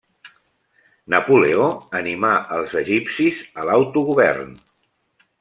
Napoleó animà els egipcis a l'autogovern.